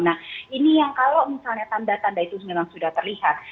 nah ini yang kalau misalnya tanda tanda itu memang sudah terlihat